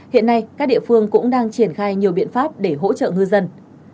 hiện nay các địa phương cũng đang triển khai nhiều biện pháp để hỗ trợ ngư dân